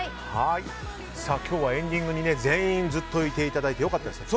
今日はエンディングに全員ずっといていただいて良かったですね。